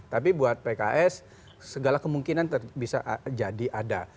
tapi buat pks segala kemungkinan bisa jadi ada